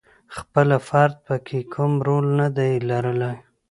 خپله فرد پکې کوم رول ندی لرلای.